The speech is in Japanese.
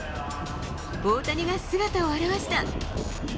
大谷が姿を現した。